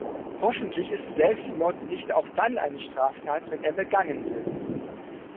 Hoffentlich ist Selbstmord nicht auch dann eine Straftat, wenn er begangen wird.